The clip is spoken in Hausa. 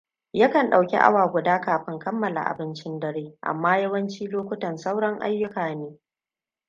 Yakan ɗauki awa guda kafin kammala abincin dare, amma yawanci lokutan sauran ayyuka ne.